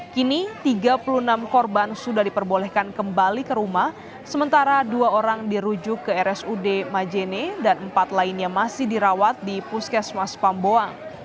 kini tiga puluh enam korban sudah diperbolehkan kembali ke rumah sementara dua orang dirujuk ke rsud majene dan empat lainnya masih dirawat di puskesmas pamboang